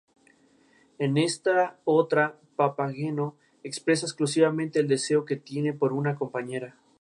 Otras opciones de motorización alternativa fueron instaladas en los demás modelos ofrecidos de serie.